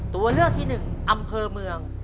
ตัวเลือกที่๑อำเภอเมือง